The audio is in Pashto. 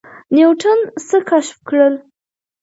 نیوټن څه کشف کړل؟